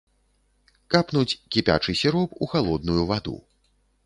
Капнуць кіпячы сіроп ў халодную ваду.